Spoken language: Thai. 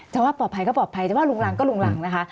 ว่าปลอดภัยก็ปลอดภัยแต่ว่าลุงหลังก็ลุงหลังนะคะ